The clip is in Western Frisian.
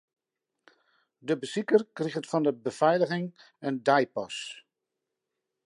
De besiker kriget fan de befeiliging in deipas.